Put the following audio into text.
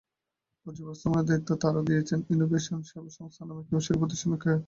বর্জ্য ব্যবস্থাপনার দায়িত্ব তারা দিয়েছে ইনোভেশন সেবা সংস্থা নামে একটি বেসরকারি প্রতিষ্ঠানকে।